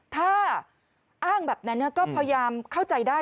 ถ้าอ้างแบบนั้นก็พยายามเข้าใจได้